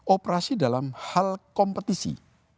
operasi dalam hal kompetisi